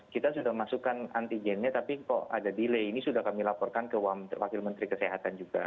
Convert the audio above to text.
kita sudah masukkan antigennya tapi kok ada delay ini sudah kami laporkan ke wakil menteri kesehatan juga